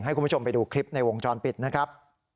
ให้คุณผู้ชมไปดูคลิปในวงจรปิดนะครับ